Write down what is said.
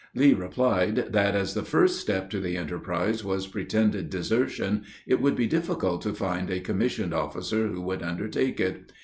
Lee replied, that, as the first step to the enterprise was pretended desertion, it would be difficult to find a commissioned officer, who would undertake it.